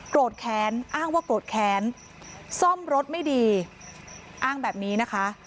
แค้นอ้างว่าโกรธแค้นซ่อมรถไม่ดีอ้างแบบนี้นะคะ